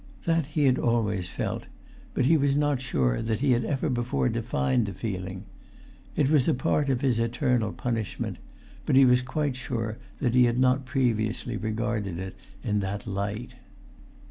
That he had always felt; but he was not sure that he had ever before defined the feeling. It was a part of his eternal punishment; but he was quite sure that he had not previously regarded it in that light.